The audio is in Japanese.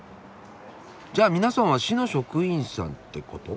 じゃあ皆さんは市の職員さんってこと？